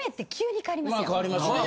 まあ変わりますね。